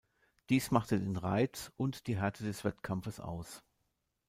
Dies machte den Reiz und die Härte des Wettkampfes aus.